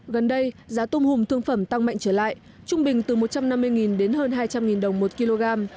gần đây giá tôm hùm thương phẩm tăng mạnh trở lại trung bình từ một trăm năm mươi đến hơn hai trăm linh đồng một kg